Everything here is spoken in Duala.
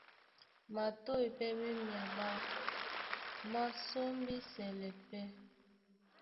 Matôy pɛ́ má e myaɓá, má sɔ́mbísɛlɛ pɛ́.